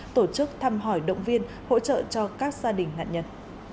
tổ chức thăm hỏi động viên hỗ trợ cho các gia đình nạn nhân